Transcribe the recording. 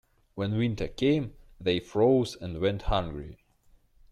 When winter came they froze and went hungry.